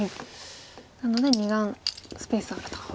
なので２眼スペースあると。